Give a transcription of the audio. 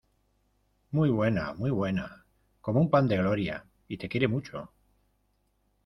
¡Muy buena! ¡Muy buena! ¡Cómo un pan de gloria! y te quiere mucho.